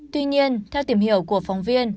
tuy nhiên theo tìm hiểu của phóng viên